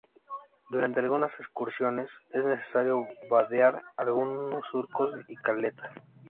Durante algunas excursiones es necesario vadear algunos surcos y caletas.